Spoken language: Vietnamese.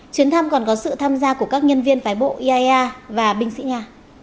chuyến thăm còn có sự tham gia của các nhân viên phái bộ iaea và binh sĩ nhà